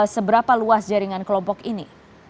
seberapa luas jaringan kelompok ini